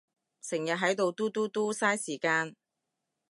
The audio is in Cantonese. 成日係到嘟嘟嘟，晒時間